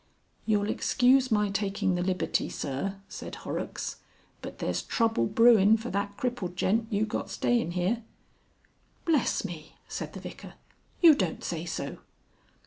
"You'll excuse my taking the liberty, Sir," said Horrocks, "but there's trouble brewin' for that crippled gent you got stayin' here." "Bless me!" said the Vicar. "You don't say so!"